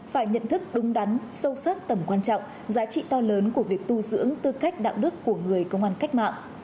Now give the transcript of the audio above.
phải nhận thức đúng đắn sâu sắc tầm quan trọng giá trị to lớn của việc tu dưỡng tư cách đạo đức của người công an cách mạng